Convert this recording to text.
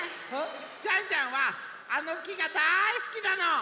ジャンジャンはあのきがだいすきなの！